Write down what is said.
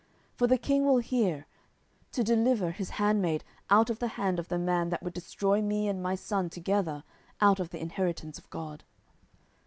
10:014:016 For the king will hear, to deliver his handmaid out of the hand of the man that would destroy me and my son together out of the inheritance of God.